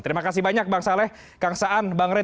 terima kasih banyak bang saleh kang saan bang rey